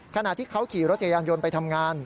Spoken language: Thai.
ขณะที่เขาขี่รถจักรยานยนต์ไปทำงาน